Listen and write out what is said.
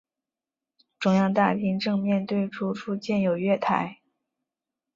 中央大厅正面对出处建有月台。